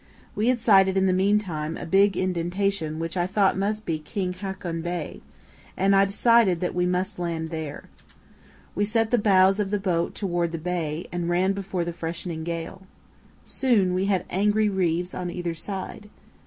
We had sighted in the meantime a big indentation which I thought must be King Haakon Bay, and I decided that we must land there. We set the bows of the boat towards the bay and ran before the freshening gale. Soon we had angry reefs on either side.